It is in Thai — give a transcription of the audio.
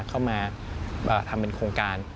เข้ามาทำเป็นโครงการ